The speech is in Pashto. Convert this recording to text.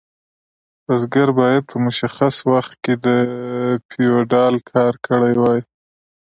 بزګر باید په مشخص وخت کې د فیوډال کار کړی وای.